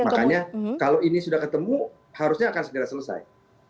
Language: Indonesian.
makanya kalau ini sudah ketemu harusnya akan segera selesai